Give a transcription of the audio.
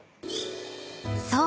［そう。